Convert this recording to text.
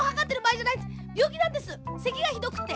せきがひどくて。